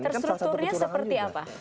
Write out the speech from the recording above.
terstrukturnya seperti apa